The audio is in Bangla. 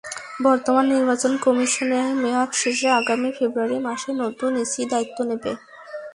বর্তমান নির্বাচন কমিশনের মেয়াদ শেষে আগামী ফেব্রুয়ারি মাসে নতুন ইসি দায়িত্ব নেবে।